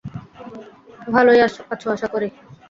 ভালোই আছো, আশা করি।